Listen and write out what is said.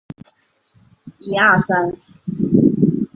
鲍威尔镇区为位在美国堪萨斯州科曼奇县的镇区。